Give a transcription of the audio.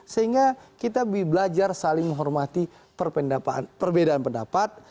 sehingga kita belajar saling menghormati perbedaan pendapat